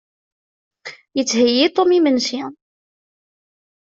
Yettheyyi Tom imensi.